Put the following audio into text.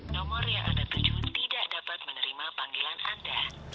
nomor yang ada tujuh tidak dapat menerima panggilan anda